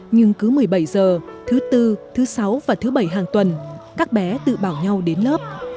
nhưng cứ một mươi bảy h thứ bốn thứ sáu và thứ bảy hàng tuần các bé tự bảo nhau đến lớp